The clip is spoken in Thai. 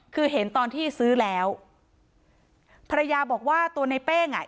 คือเห็นตอนที่ซื้อแล้วภรรยาบอกว่าตัวในเป้งอ่ะ